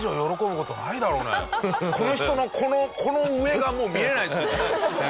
この人のこの上がもう見えないですもんね。